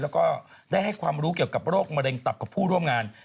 แล้วก็ได้ให้ความรู้เกี่ยวกับโรคมะเร็งตับกับผู้ร่วมงาน